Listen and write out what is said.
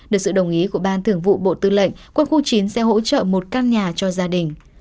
được sự đồng ý của ban thường vụ bộ tư lệnh quân khu chín sẽ hỗ trợ một căn nhà cho gia đình